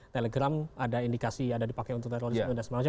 telegram ada indikasi ada dipakai untuk terorisme dan sebagainya